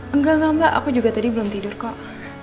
enggak enggak mbak aku juga tadi belum tidur kok